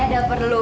saya udah perlu